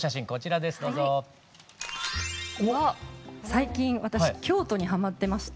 最近私京都にハマってまして。